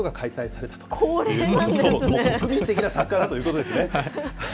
それだけ国民的な作家だということですね。